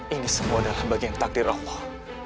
ini semua adalah bagian takdir allah